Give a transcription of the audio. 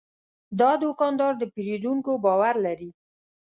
دا دوکاندار د پیرودونکو باور لري.